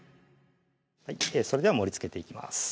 それでは盛りつけていきます